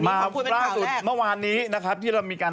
ล่าสุดเมื่อวานนี้นะครับที่เรามีการ